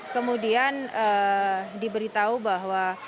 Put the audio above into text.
kemudian diberitahu bahwa